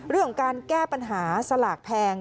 เรื่องของการแก้ปัญหาสลากแพง